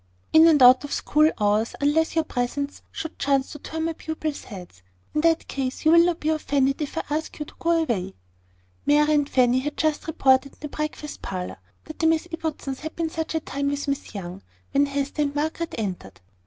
"In and out of school hours, unless your presence should chance to turn my pupils' heads. In that case, you will not be offended if I ask you to go away." Mary and Fanny had just reported in the breakfast parlour, that the Miss Ibbotsons had been "such a time with Miss Young!" when Hester and Margaret entered.